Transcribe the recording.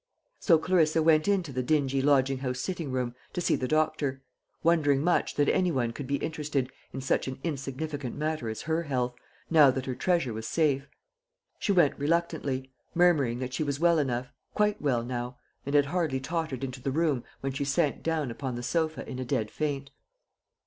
So Clarissa went into the dingy lodging house sitting room to see the doctor, wondering much that any one could be interested in such an insignificant matter as her health, now that her treasure was safe. She went reluctantly, murmuring that she was well enough quite well now; and had hardly tottered into the room, when she sank down upon the sofa in a dead faint.